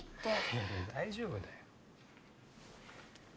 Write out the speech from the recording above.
いやいや大丈夫だよ。